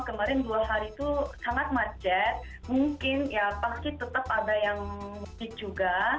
kemarin dua hari itu sangat macet mungkin ya pasti tetap ada yang fit juga